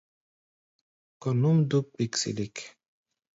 Kɔ̧ núʼm dúk kpiksilik.